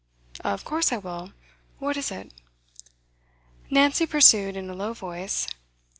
'Of course I will. What is it?' Nancy pursued in a low voice.